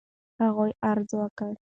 هغو عرض وكړ: